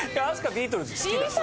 ビートルズ好きだしね。